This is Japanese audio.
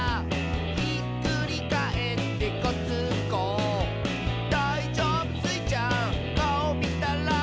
「ひっくりかえってごっつんこ」「だいじょぶスイちゃん？かおみたら」